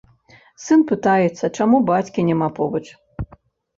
Сын пытаецца, чаму бацькі няма побач.